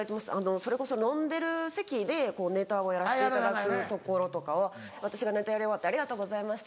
それこそ飲んでる席でネタをやらせていただくところとかは私がネタやり終わって「ありがとうございました」。